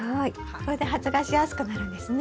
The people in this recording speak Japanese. これで発芽しやすくなるんですね。